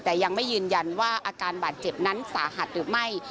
แต่ยังไม่ยืนยันว่าอาการบาดเจ็บนั้นสาหัสหรือไม่